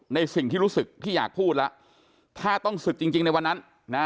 ในสิ่งที่รู้สึกที่อยากพูดแล้วถ้าต้องศึกจริงจริงในวันนั้นนะ